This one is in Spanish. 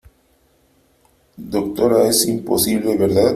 doctora , es imposible ,¿ verdad ?